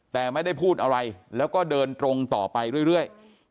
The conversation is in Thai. แต่ไม่ได้พูดอะไรแล้วก็เดินตรงต่อไปเรื่อย